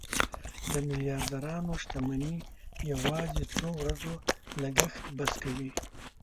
د میلیاردرانو شتمني یوازې څو ورځو لګښت بس کوي.